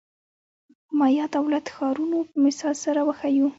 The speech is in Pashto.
د مایا دولت-ښارونو په مثال سره وښیو.